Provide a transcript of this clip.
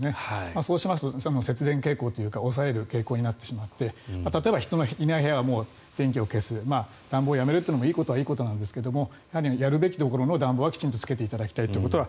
そうしますと節電傾向というか抑える傾向になってしまって例えば人のいない部屋は電気を消す暖房をやめるというのもいいことはいいことなんですがやはりやるべきところの暖房はつけていただきたいと。